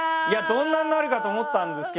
どんなになるかと思ったんですけど。